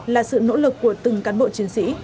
là sự nỗ lực của từng cán bộ chiến sĩ